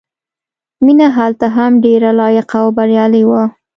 مینه هلته هم ډېره لایقه او بریالۍ وه